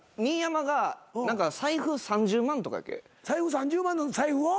３０万の財布を？